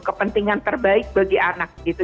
kepentingan terbaik bagi anak gitu